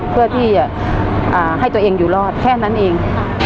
เพื่อที่จะให้ตัวเองอยู่รอดแค่นั้นเอง